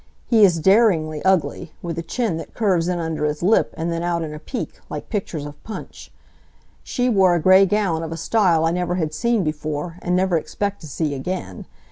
He is daringly ugly, with a chin that curves in under his lip and then out in a peak, like pictures of Punch. She wore a gray gown of a style I never had seen before and never expect to see again.